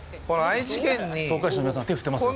東海市の皆さん、手、振ってますよ。